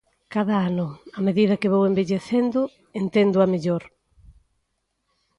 Cada ano, a medida que vou envellecendo enténdoa mellor.